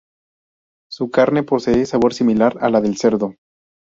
Su carne posee sabor similar a la del cerdo.